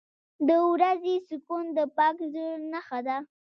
• د ورځې سکون د پاک زړه نښه ده.